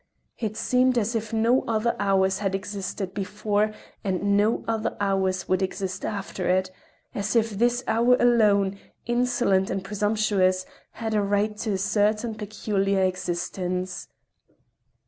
It seemed as if no other hours had existed before it and no other hours would exist after it—as if this hour alone, insolent and presumptuous, had a right to a certain peculiar existence.